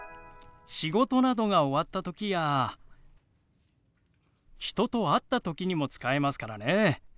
仕事などが終わった時や人と会った時にも使えますからね。